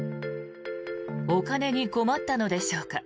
お金に困ったのでしょうか。